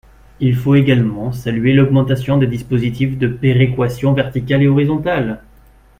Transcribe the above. Il faut également saluer l’augmentation des dispositifs de péréquation verticale et horizontale.